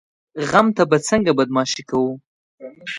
غم ته به څنګه بدماشي کوو؟